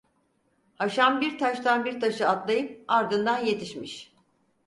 Haşan bir taştan bir taşa atlayıp ardından yetişmiş.